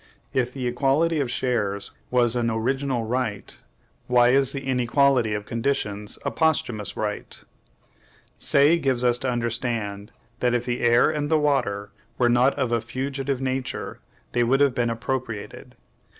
If the equality of shares was an original right, why is the inequality of conditions a posthumous right? Say gives us to understand that if the air and the water were not of a FUGITIVE nature, they would have been appropriated.